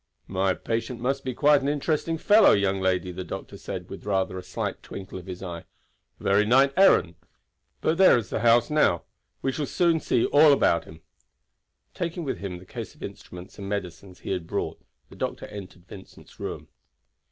"My patient must be quite an interesting fellow, young lady," the doctor said, with a rather slight twinkle of his eye. "A very knight errant. But there is the house now; we shall soon see all about him." Taking with him the case of instruments and medicines he had brought, the doctor entered Vincent's room.